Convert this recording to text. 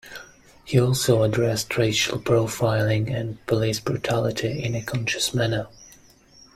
He also addressed racial profiling and police brutality in a conscious manner.